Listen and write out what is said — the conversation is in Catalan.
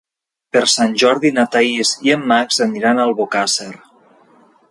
Per Sant Jordi na Thaís i en Max aniran a Albocàsser.